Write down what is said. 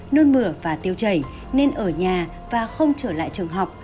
nôn mửa và tiêu chảy nên ở nhà và không trở lại trường học